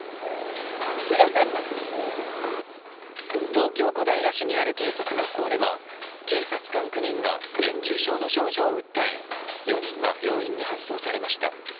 東京・小平市にある警察学校では警察官９人が熱中症の症状を訴え４人が病院に搬送されました。